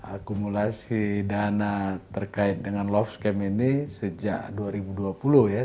akumulasi dana terkait dengan love scam ini sejak dua ribu dua puluh ya